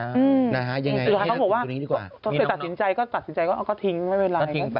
อืมหรือว่าเค้าบอกว่าตัดสินใจก็ทิ้งไม่เป็นไร